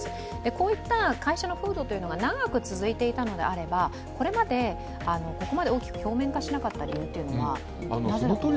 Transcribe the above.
こういった会社の風土が長く続いていたのであればこれまでここまで大きく表面化しなかった理由は何だと思いますか？